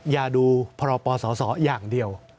อย่าดูพรปศอย่างเดียว